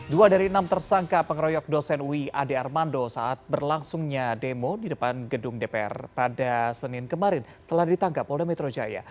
dua dari enam tersangka pengeroyok dosen ui ade armando saat berlangsungnya demo di depan gedung dpr pada senin kemarin telah ditangkap polda metro jaya